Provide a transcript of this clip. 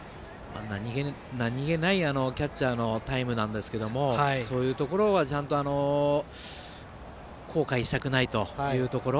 何気ないキャッチャーのタイムなんですけれどもそういうところは、ちゃんと後悔したくないというところ。